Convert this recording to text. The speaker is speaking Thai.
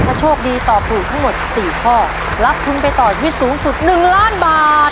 ถ้าโชคดีตอบถูกทั้งหมด๔ข้อรับทุนไปต่อชีวิตสูงสุด๑ล้านบาท